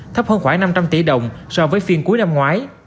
thấp hơn khoảng năm trăm linh tỷ đồng so với phiên cuối năm ngoái